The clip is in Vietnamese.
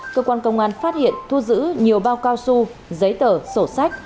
cơ quan công an phát hiện thu giữ nhiều bao cao su giấy tờ sổ sách